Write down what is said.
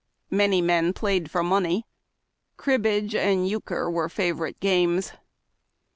Many men pla3 ed for money. Cribbage and euchre were favorite games.